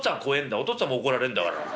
お父っつぁんも怒られんだから。